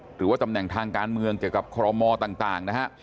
หรือว่าตำแหน่งทางการเมืองเกี่ยวกับคอรมอต่างนะฮะ